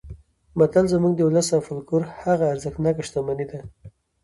متل زموږ د ولس او فولکلور هغه ارزښتناکه شتمني ده